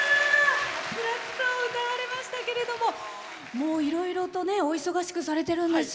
はつらつと歌いましたけれどもいろいろとねお忙しくされてるんですよ。